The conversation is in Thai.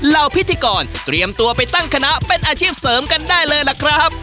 พิธีกรเตรียมตัวไปตั้งคณะเป็นอาชีพเสริมกันได้เลยล่ะครับ